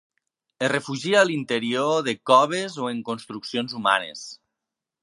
Es refugia a l'interior de coves o en construccions humanes.